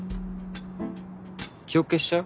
記憶消しちゃう？